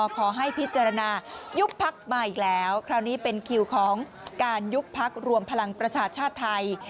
ขอให้พิจารณายุบพักมาอีกแล้วคราวนี้เป็นคิวของการยุบพักรวมพลังประชาชาติไทย